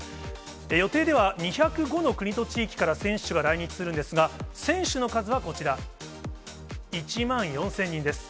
予定では、２０５の国と地域から選手が来日するんですが、選手の数はこちら、１万４０００人です。